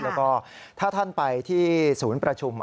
แล้วก็ถ้าท่านไปที่ศูนย์ประชุม